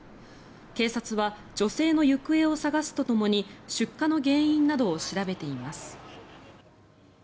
警察は女性の行方を捜すとともに出火の原因などを調べています。